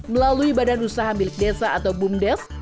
melalui badan usaha milik desa atau bumdes